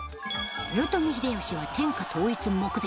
豊臣秀吉は天下統一目前